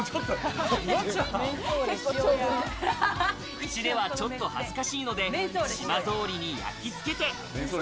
口ではちょっと恥ずかしいので、島ぞうりに焼きつけて。